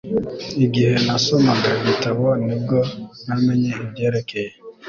Igihe nasomaga igitabo ni bwo namenye ibyerekeye